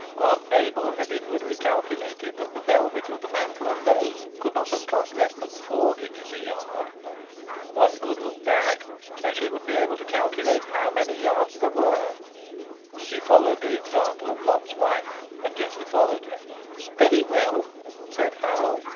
Aunt Mabel had inwardly calculated that the velvet of the mantle alone could not have cost less than four guineas a yard. One good look back, and she would be able to calculate how many yards there were... She followed the example of Lot's wife; and Jessie followed hers. "Very well," said Harold.